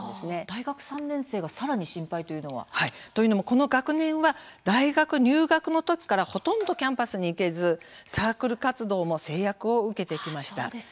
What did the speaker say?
大学３年生がさらに心配というのは？というのも、この学年は大学入学のときからほとんどキャンパスに行けずサークル活動も制約を受けてきました。